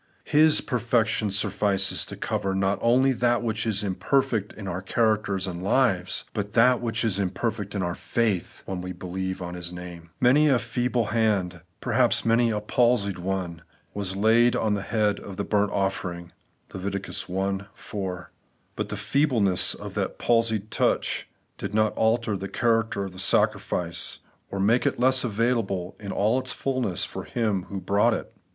His perfection suflfices to cover not only that which is im perfect in our characters and lives, but that which is imperfect in our faith, when we believe on His name. Many a feeble hand, — ^perhaps many a palsied one, — ^was laid on the head of the bumt ofifering (Lev. i 4) ; but the feebleness of that palsied touch did not alter the character of the sacrifice, or make it less available in all its fulness for him who brought it.